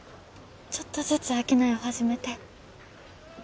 ちょっとずつ商いを始めて。